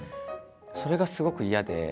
それがすごく嫌で。